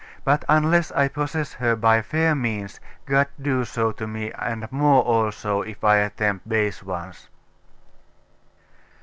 but unless I possess her by fair means, God do so to me, and more also, if I attempt base ones!